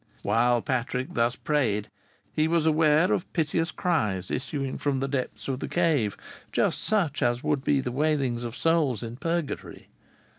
Whilst Patrick thus prayed, he was ware of piteous cries issuing from the depths of the cave, just such as would be the wailings of souls in purgatory.